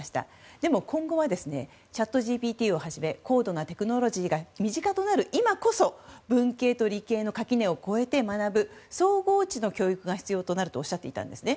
でも今後はチャットＧＰＴをはじめ高度なテクノロジーが身近となる今こそ文系と理系の垣根を越えて学ぶ総合知の教育が必要となるとおっしゃっていたんですね。